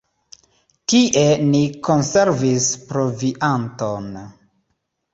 Tie ni konservis provianton.